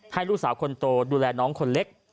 ให้ลูกสาวคนโตดูแลน้องคนเล็ก